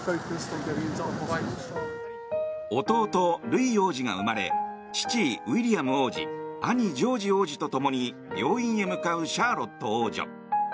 ルイ王子が生まれ父ウィリアム王子兄ジョージ王子と共に病院へ向かうシャーロット王女。